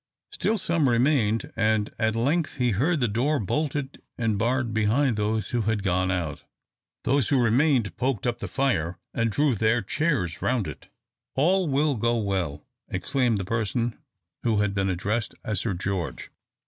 Still some remained; and at length he heard the door bolted and barred behind those who had gone out. Those who remained poked up the fire and drew their chairs round it. "All will go well!" exclaimed the person who had been addressed as "Sir George."